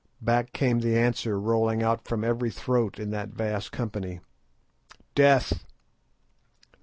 _" Back came the answer rolling out from every throat in that vast company— "_Death!